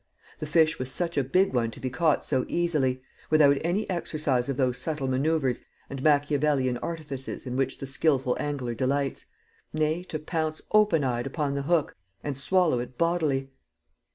The fish was such a big one to be caught so easily without any exercise of those subtle manoeuvres and Machiavellian artifices in which the skilful angler delights nay, to pounce open eyed upon the hook, and swallow it bodily!